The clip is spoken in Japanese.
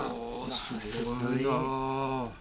すごいな。